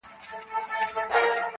سیال مو نه دي د نړۍ واړه قومونه -